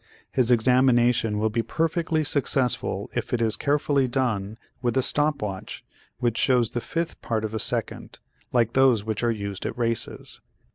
His examination will be perfectly successful if it is carefully done with a stop watch which shows the fifth part of a second, like those which are used at races.